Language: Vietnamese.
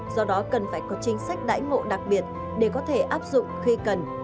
do đó cần phải có chính sách đãi ngộ đặc biệt để có thể áp dụng khi cần